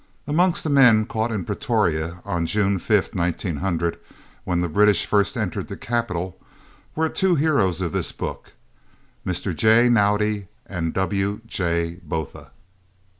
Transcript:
Amongst the men caught in Pretoria on June 5th, 1900, when the British first entered the capital, were two heroes of this book, Mr. J. Naudé and W.J. Botha.